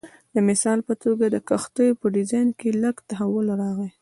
د مثال په توګه د کښتیو په ډیزاین کې لږ تحول راغی